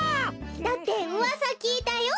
だってうわさきいたよ。